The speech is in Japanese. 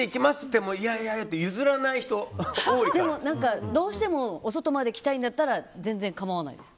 でもいやいやってどうしてもお外まで来たいんだったら全然、構わないです。